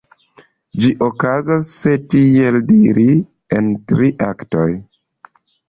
Ĝi okazas, se tiel diri, en tri aktoj.